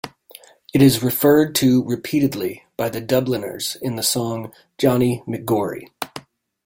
It is referred to repeatedly by the Dubliners in the song "Johnny McGory".